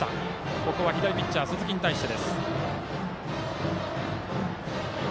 ここは左ピッチャー、鈴木に対して。